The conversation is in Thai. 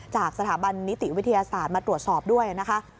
จากสถาบันนิติวิทยาศาสตร์มาตรวจสอบด้วยนะคะ